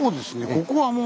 ここはもう。